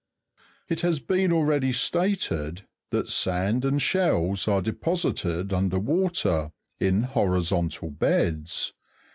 10. It has been already stated that sand and shells are deposited, under water, in horizontal beds.